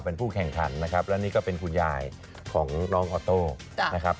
เป็นผู้แข่งขันนะครับและนี่ก็เป็นคุณยายของน้องออโต้นะครับ